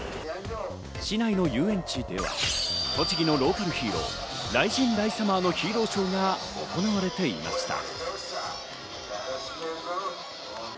市内の遊園地では、栃木のローカルヒーロー、雷神ライサマーのヒーローショーが行われていました。